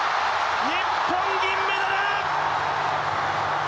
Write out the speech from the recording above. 日本銀メダル！